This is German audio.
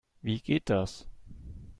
Wie geht das?